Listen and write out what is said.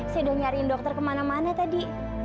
saya udah nyariin dokter kemana mana tadi